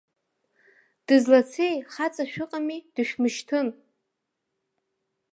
Дызлацеи, хаҵа шәыҟами, дышәмышьҭын!